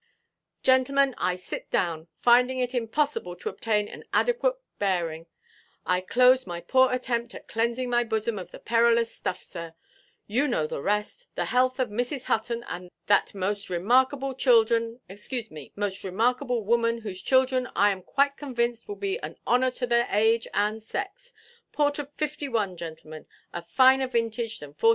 "Gentlemen, I sit down; finding it impossible to obtain an adequate bearing, I close my poor attempt at cleansing my bosom of the perilous stuff, sir—you know the rest—the health of Mrs. Hutton, that most remarkable children—excuse me, most remarkable woman, whose children, I am quite convinced, will be an honour to their age and sex. Port of '51, gentlemen; a finer vintage than '47."